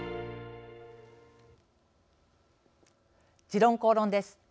「時論公論」です。